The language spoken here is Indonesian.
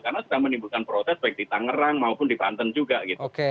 karena sudah menimbulkan protes baik di tangerang maupun di banten juga gitu